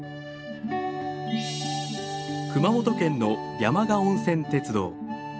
熊本県の山鹿温泉鉄道。